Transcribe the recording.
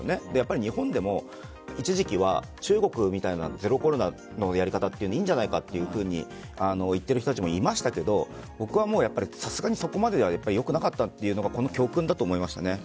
日本でも一時期は中国みたいなゼロコロナのやり方っていいんじゃないかと言っている人たちもいましたが僕はやっぱりそこまではよくなかったというのがこの教訓だと思いました。